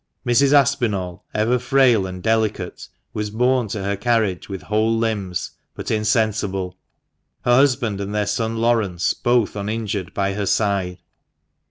Mrs. Aspinall, ever frail and delicate, was borne to her carriage with whole limbs, but insensible, her husband and their son Laurence both uninjured by her side.